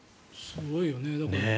すごいよね。